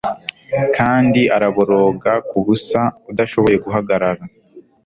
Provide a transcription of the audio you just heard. Kandi araboroga kubusa udashoboye guhagarara